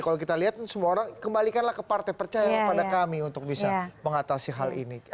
kalau kita lihat semua orang kembalikanlah ke partai percaya kepada kami untuk bisa mengatasi hal ini